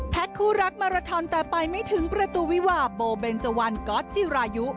คู่รักมาราทอนแต่ไปไม่ถึงประตูวิวาโบเบนเจวันก๊อตจิรายุ